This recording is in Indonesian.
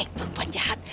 hai perempuan jahat